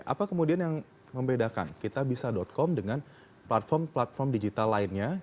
apa kemudian yang membedakan kitabisa com dengan platform platform digital lainnya